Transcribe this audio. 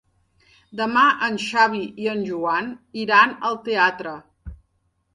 Demà en Xavi i en Joan iran al teatre.